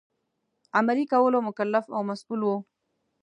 عملي کولو مکلف او مسوول وو.